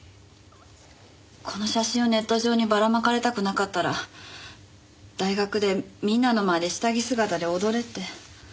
この写真をネット上にばらまかれたくなかったら大学でみんなの前で下着姿で踊れって。